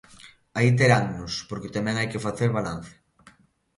Aí terannos, porque tamén hai que facer balance.